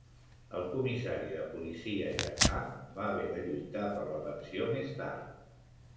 El comissari de policia Jadhav va haver de lluitar per la pensió més tard.